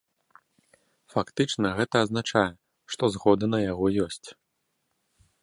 Фактычна гэта азначае, што згода на яго ёсць.